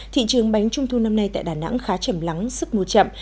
thị trường bánh trung thu năm nay tại đà nẵng khá chầm lắng sức mua chậm